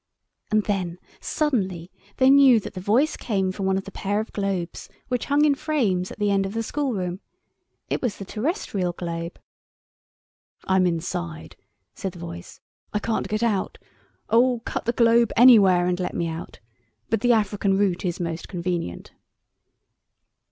And then suddenly they knew that the voice came from one of the pair of globes which hung in frames at the end of the schoolroom. It was the terrestrial globe. "I'm inside," said the voice; "I can't get out. Oh, cut the globe—anywhere—and let me out. But the African route is most convenient."